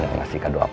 untuk menerima uang